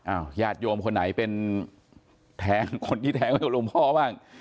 อ้าวหญาติโยมคนไหนเป็นคนที่แทงกับลงพอบ้าง